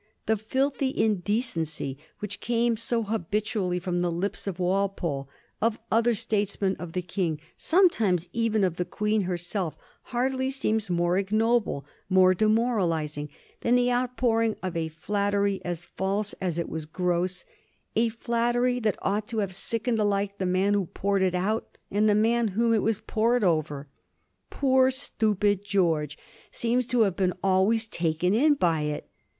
The filthy indecency which came so habitually from the lips of Walpole, of other statesmen, of the King — sometimes even of the Queen herself — hardly seems more ignoble, more demoralizing, than the outpouring of a flat tery as false as it was gross, a flattery that ought to have sickened alike the man who poured it out and the man whom it was poured over. Poor, stupid George seems to have been always taken in by it.